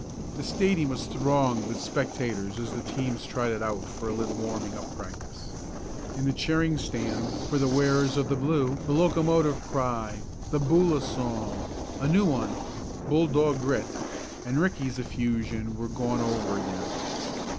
The stadium was thronged with spectators as the teams trotted out for a little warming up practice. In the cheering stands for the wearers of the blue the locomotive cry, the Boola song, a new one "Bulldog Grit!" and Ricky's effusion were gone over again.